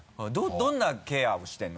どんなケアをしてるの？